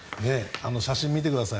写真、見てください。